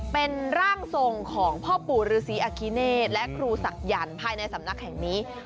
เป็นร่างทรงของพ่อปู่ฤษีอคิเนธและครูศักยันต์ภายในสำนักแห่งนี้